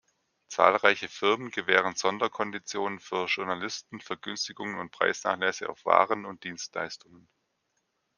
Zahlreiche Firmen gewähren Sonderkonditionen für Journalisten, Vergünstigungen und Preisnachlässe auf Waren und Dienstleistungen.